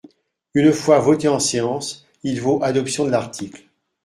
Une fois voté en séance, il vaut adoption de l’article.